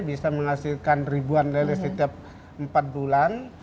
bisa menghasilkan ribuan lele setiap empat bulan